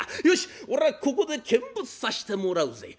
よし俺はここで見物さしてもらうぜ」。